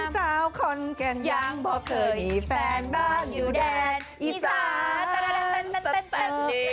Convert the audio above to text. สาวขอนแก่นยางบอกเคยมีแฟนบ้านอยู่แดนอีสาน